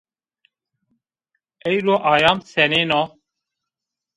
Ewro ayam senêno?